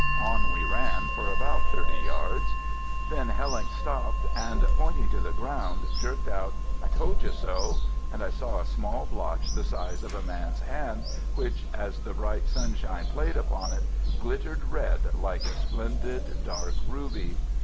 On we ran for about 30 yards; then Hellincks stopped, and, pointing to the ground, jerked out: "I told you so"; and I saw a small blotch the size of a man's hand, which, as the bright sunshine played upon it, glittered red like a splendid dark ruby.